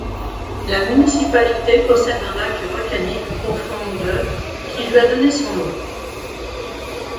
La municipalité possède un lac volcanique profond de qui lui a donné son nom.